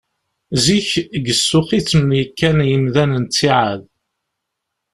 Zik, deg ssuq i ttemyakken yimdanen ttiɛad.